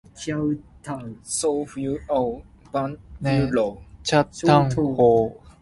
早冬雨，晚冬露